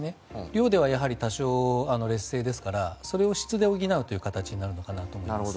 量では多少、劣勢ですからそれを質で補うという形になるのかなと思います。